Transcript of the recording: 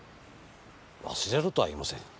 忘れろとはいいません。